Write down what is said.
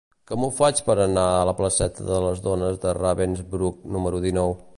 Com ho faig per anar a la placeta de les Dones de Ravensbrück número dinou?